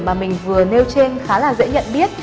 mà mình vừa nêu trên khá là dễ nhận biết